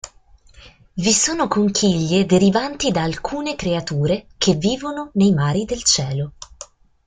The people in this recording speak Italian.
I sono conchiglie derivanti da alcune creature che vivono nei mari del cielo.